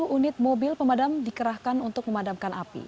dua puluh tujuh unit mobil pemadam dikerahkan untuk memadamkan api